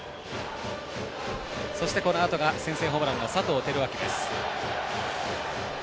そして、このあとが先制ホームランの佐藤輝明です。